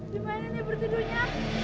gimana nih bertidurnya